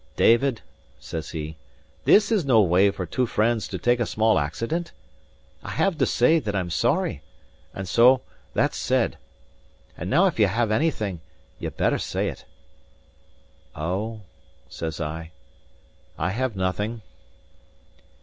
"David," says he, "this is no way for two friends to take a small accident. I have to say that I'm sorry; and so that's said. And now if you have anything, ye'd better say it." "O," says I, "I have nothing."